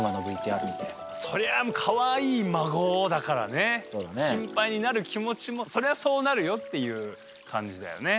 そりゃあかわいいまごだからね心配になる気持ちもそりゃそうなるよっていう感じだよね。